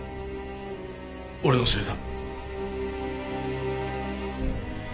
俺のせいだ。